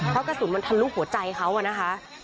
เพราะกระสุนมันทะลุหัวใจเขาอะนะคะ